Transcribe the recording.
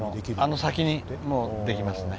あの先にできますね。